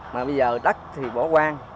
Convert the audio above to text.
mà bây giờ đất thì bổ quang